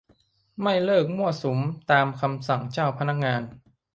ไม่เลิกมั่วสุมตามคำสั่งเจ้าพนักงาน